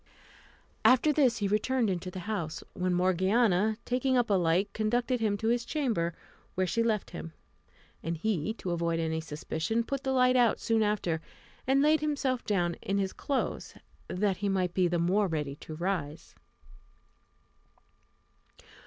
After this he returned into the house, when Morgiana, taking up a light, conducted him to his chamber, where she left him; and he, to avoid any suspicion, put the light out soon after, and laid himself down in his clothes, that he might be the more ready to rise.